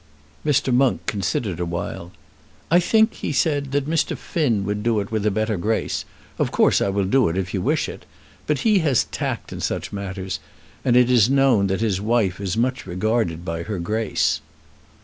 Mr. Monk considered awhile. "I think," he said, "that Mr. Finn would do it with a better grace. Of course I will do it if you wish it. But he has tact in such matters, and it is known that his wife is much regarded by her Grace."